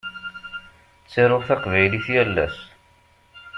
Ttaruɣ taqbaylit yal ass.